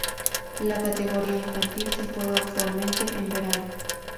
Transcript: La categoría infantil se juega usualmente en verano.